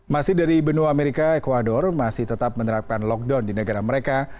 masih dari benua amerika ecuador masih tetap menerapkan lockdown di negara mereka